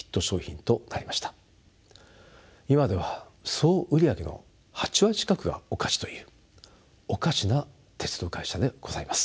今では総売り上げの８割近くがお菓子というおかしな鉄道会社でございます。